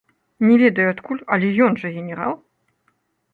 Не ведаю адкуль, але ён жа генерал!